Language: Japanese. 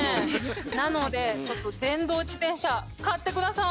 なのでちょっと電動自転車買って下さい。